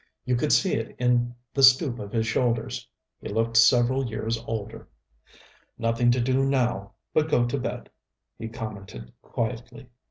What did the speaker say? You could see it in the stoop of his shoulders. He looked several years older. "Nothing to do now but go to bed," he commented quietly.